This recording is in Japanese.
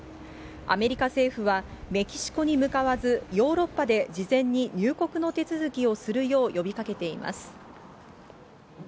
アメリカ政府は、メキシコに向かわず、ヨーロッパで事前に入国の手続きをするよう呼びかけています。